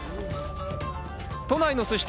都内のすし店・